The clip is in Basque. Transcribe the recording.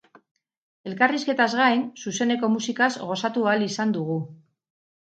Elkarrizketaz gain, zuzeneko musikaz gozatu ahal izan dugu.